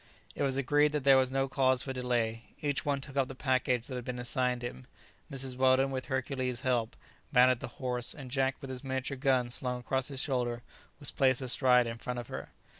It was agreed that there was no cause for delay. Each one took up the package that had been assigned him. Mrs. Weldon, with Hercules' help, mounted the horse, and Jack, with his miniature gun slung across his shoulder, was placed astride in front of her.